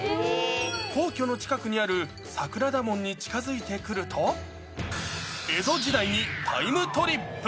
皇居の近くにある桜田門に近づいてくると、江戸時代にタイムトリップ。